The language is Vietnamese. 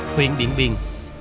huyện điện biên